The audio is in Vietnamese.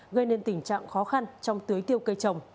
gây nên tình trạng khó khăn trong tưới tiêu cây trồng